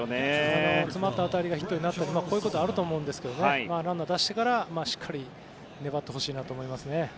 詰まった当たりがヒットになることもあると思いますがランナーを出してから、しっかり粘ってほしいと思います。